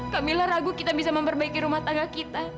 kamila ragu kita bisa memperbaiki rumah tangga kita